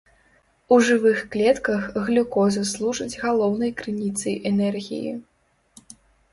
У жывых клетках глюкоза служыць галоўнай крыніцай энергіі.